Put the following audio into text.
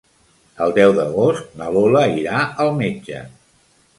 El deu d'agost na Lola irà al metge.